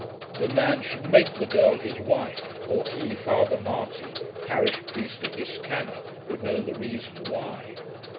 The man should make the girl his wife, or he, Father Marty, parish priest of Liscannor, would know the reason why.